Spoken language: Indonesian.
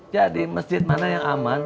masjid mana yang aman